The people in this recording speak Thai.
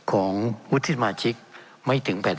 เป็นของสมาชิกสภาพภูมิแทนรัฐรนดร